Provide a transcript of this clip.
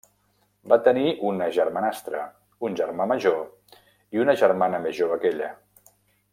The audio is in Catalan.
Va tenir una germanastra, un germà major i una germana més jove que ella.